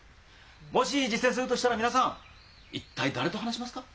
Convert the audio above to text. もし実践するとしたら皆さん一体誰と話しますか？